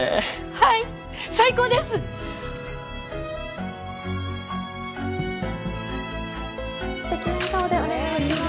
はい最高です・素敵な笑顔でお願いしまー